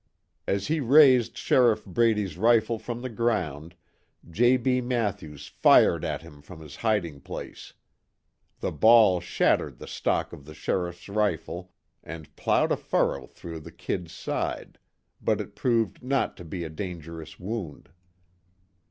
As he raised Sheriff Brady's rifle from the ground, J. B. Mathews fired at him from his hiding place. The ball shattered the stock of the sheriff's rifle and plowed a furrow through the "Kid's" side, but it proved not to be a dangerous wound.